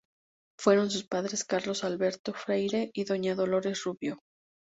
Fueron sus padres Carlos Alberto Freire y doña Dolores Rubio.